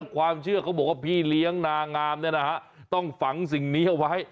ความเชื่อเขาบอกว่าพี่เลี้ยงนางงามต้องฝังสิ่งนี้เอาไว้